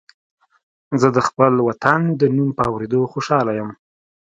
زه د خپل وطن د نوم په اورېدو خوشاله یم